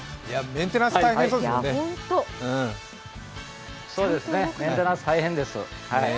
メンテナンス、大変です。